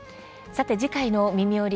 次回の「みみより！